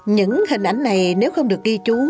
những hình ảnh này nếu không được ghi chú